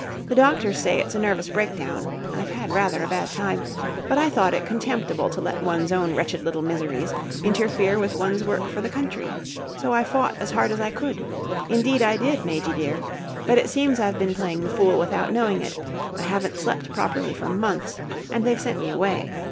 The doctors say it's a nervous breakdown I've had rather a bad time but I thought it contemptible to let one's own wretched little miseries interfere with one's work for the country so I fought as hard as I could. Indeed I did, Majy dear. But it seems I've been playing the fool without knowing it, I haven't slept properly for months and they've sent me away.